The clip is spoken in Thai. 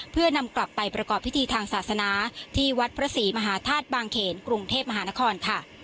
เพื่อนำกลับไปประกอบพิธีทางศาสนาที่วัดพระศรีมหาธาตุบางเขนกรุงเทพมหานครค่ะ